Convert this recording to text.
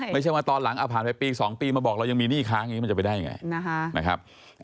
ไม่ใช่ว่าตอนหลังผ่านไปปี๒ปีมาบอกเรายังมีหนี้ค้างอย่างนี้มันจะไปได้ยังไงนะครับ